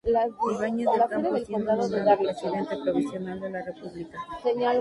Ibáñez del Campo, siendo nombrado Presidente Provisional de la República.